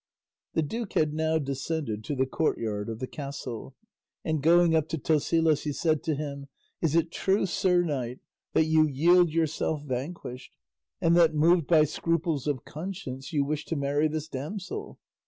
'" The duke had now descended to the courtyard of the castle, and going up to Tosilos he said to him, "Is it true, sir knight, that you yield yourself vanquished, and that moved by scruples of conscience you wish to marry this damsel?"